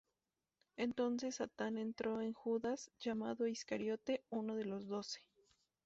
Entonces Satán entró en Judas, llamado Iscariote, uno de los Doce.